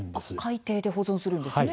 海底で保存するんですね。